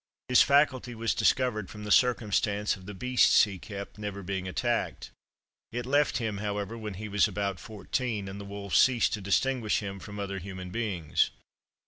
His faculty was discovered from the circumstance of the beasts he kept never being attacked. It left him, however, when he was about fourteen, and the wolves ceased to distinguish him from other human beings.